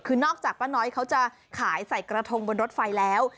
คือนอกจากป้าน้อยเขาจะขายใส่กระทงบนรถไฟแล้ว